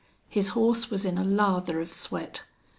His horse was in a lather of sweat.